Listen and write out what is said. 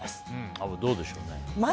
アブ、どうでしょうね。